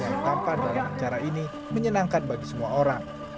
yang tampak dalam acara ini menyenangkan bagi semua orang